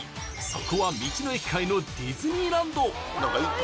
そこは道の駅界のディズニーランド。